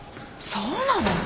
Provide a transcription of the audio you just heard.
そうなの？